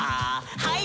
はい。